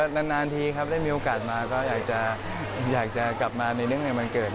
หน้านานทีครับได้มีโอกาสมาก็อยากจะกลับมาในเดิมมันเกิด